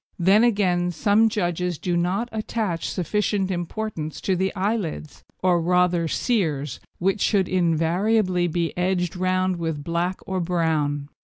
Then, again, some judges do not attach sufficient importance to the eyelids, or rather sears, which should invariably be edged round with black or brown.